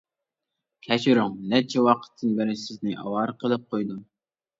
كەچۈرۈڭ، نەچچە ۋاقىتتىن بېرى سىزنى ئاۋارە قىلىپ قويدۇم.